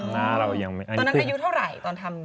ตอนนั้นคืออยู่เท่าไหร่ตอนทำ